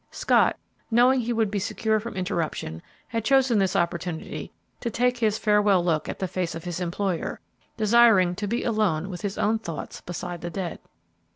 Scott, knowing he would be secure from interruption, had chosen this opportunity to take his farewell look at the face of his employer, desiring to be alone with his own thoughts beside the dead.